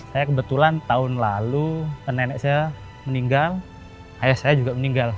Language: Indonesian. saya kebetulan tahun lalu nenek saya meninggal ayah saya juga meninggal